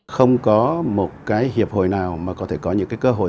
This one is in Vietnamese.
không có một hiệp hội nào có thể có những cơ hội